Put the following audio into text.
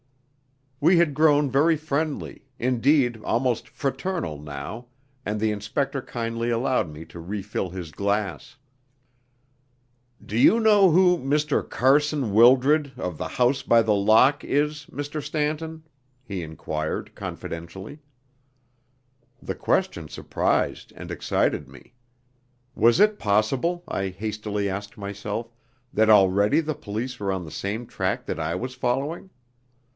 We had grown very friendly, indeed, almost fraternal now, and the inspector kindly allowed me to refill his glass. "Do you know who Mr. Carson Wildred, of the House by the Lock, is, Mr. Stanton?" he enquired, confidentially. The question surprised and excited me. Was it possible, I hastily asked myself, that already the police were on the same track that I was following?